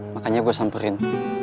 makanya gue samperin